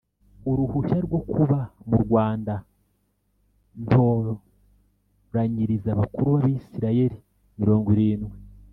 uruhushya rwo kuba murwanda ntoranyiriza abakuru b abisirayeli mirongo irindwi